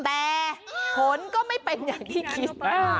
แต่ผลก็ไม่เป็นอย่างที่คิด